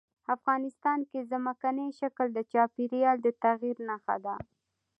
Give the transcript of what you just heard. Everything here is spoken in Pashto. افغانستان کې ځمکنی شکل د چاپېریال د تغیر نښه ده.